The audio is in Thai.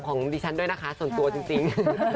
ของดิฉันด้วยนะคะส่วนตัวจริง